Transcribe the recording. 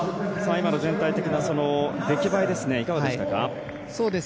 今の全体的な出来栄えいかがでしたか？